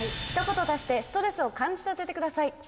「一言足してストレスを感じさせて下さい」。